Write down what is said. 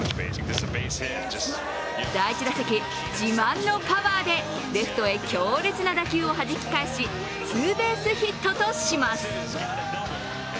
第１打席、自慢のパワーでレフトな強烈な打球をはじき返しツーベースヒットとします。